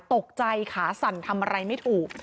ขาสั่นทำอะไรไม่ถูก